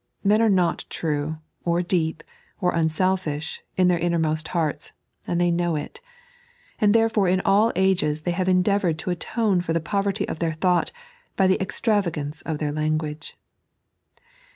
Men are not true, or deep, or unselfifih, in their innermost hearts, and they know it ; and therefore in all ages they have endeavoured to atone for the poverty of their thought by the extravagance of their language.